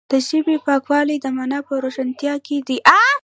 د ژبې پاکوالی د معنا په روښانتیا کې دی.